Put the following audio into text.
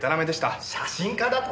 写真家だと？